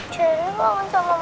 cherry bangun sama mama tante